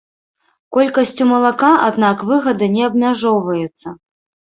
Колькасцю малака, аднак, выгады не абмяжоўваюцца.